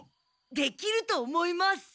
できると思います。